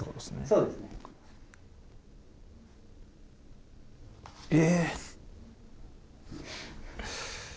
そうですね。え？